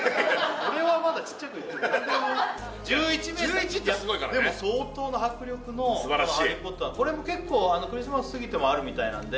俺はまだちっちゃく言ってるけど１１ってすごいからねでも相当の迫力の素晴らしいこれも結構クリスマス過ぎてもあるみたいなんで